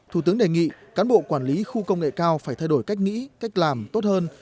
thủ tướng đề nghị cán bộ quản lý khu công nghệ cao phải thay đổi cách nghĩ cách làm tốt hơn